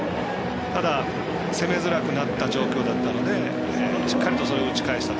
ただ、攻めづらくなった状況だったのでしっかりと打ち返したと。